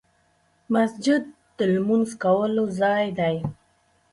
مسجد د لمونځ کولو ځای دی .